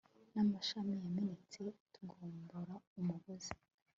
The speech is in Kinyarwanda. n'amashami yamenetse, gutombora umugozi